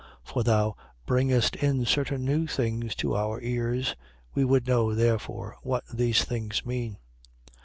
17:20. For thou bringest in certain new things to our ears. We would know therefore what these things mean.